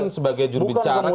tapi kan sebagai jurubicara